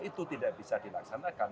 itu tidak bisa dilaksanakan